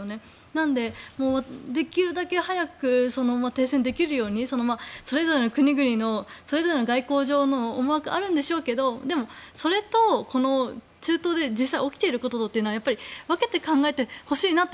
なので、できるだけ早く停戦できるようにそれぞれの国々のそれぞれの外交上の思惑はあるんでしょうけどでも、それとこの中東で実際起きていることと分けて考えてほしいなと。